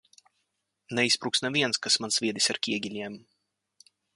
Neizspruks neviens, kas man sviedis ar ķieģeļiem!